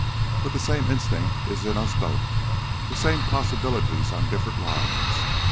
But the same instinct is in us both, the same possibilities on different lines.